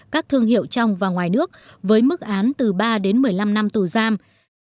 các thương hiệu trong và ngoài nước với mức án từ ba đến một mươi năm năm tù giam